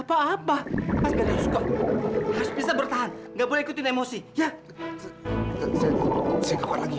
saya gak tahan lagi pak nadi